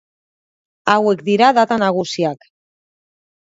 Hauek dira data nagusiak.